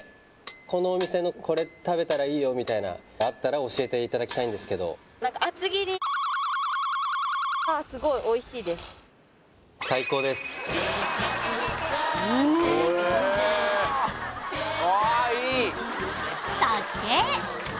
このお店のこれ食べたらいいよみたいなあったら教えていただきたいんですけどあっそして！